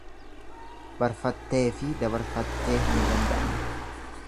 Barfatteefi dabarfattee hin danda'an.